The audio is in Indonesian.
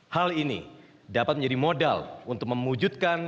hal ini menjadi modal untuk memudikan